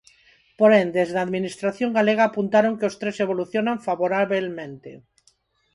Porén, desde a Administración galega apuntaron que os tres evolucionan "favorabelmente".